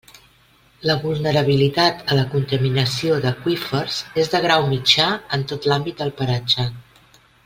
La vulnerabilitat a la contaminació d'aqüífers és de grau mitjà en tot l'àmbit del paratge.